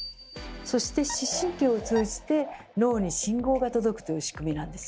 そして視神経を通じて脳に信号が届くという仕組みなんです。